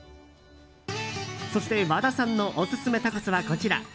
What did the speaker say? そして和田さんのオススメタコスはこちら。